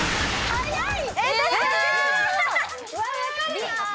早い！